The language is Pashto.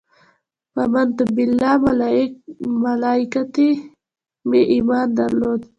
په امنت بالله ملایکته مې ایمان درلود.